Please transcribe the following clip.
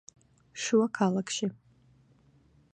შუა ქალაქში